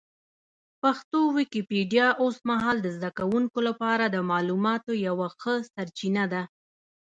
پښتو ويکيپېډيا اوس مهال د زده کوونکو لپاره د معلوماتو یوه ښه سرچینه ده.